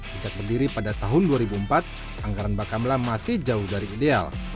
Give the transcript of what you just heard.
sejak berdiri pada tahun dua ribu empat anggaran bakamla masih jauh dari ideal